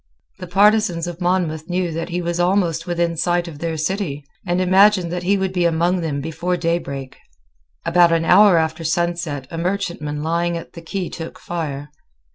The partisans of Monmouth knew that he was almost within sight of their city, and imagined that he would be among them before daybreak. About an hour after sunset a merchantman lying at the quay took fire.